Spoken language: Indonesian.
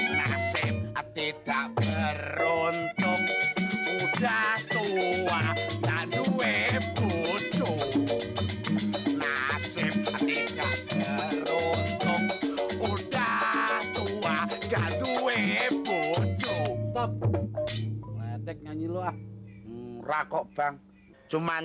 nasib tidak diuntung udah tua belum pengebini